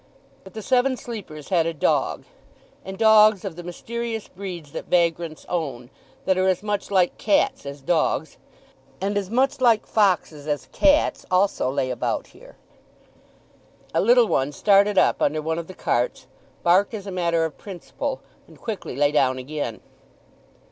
But the Seven Sleepers had a dog; and dogs of the mysterious breeds that vagrants own, that are as much like cats as dogs and as much like foxes as cats also lay about here. A little one started up under one of the carts, barked as a matter of principle, and quickly lay down again.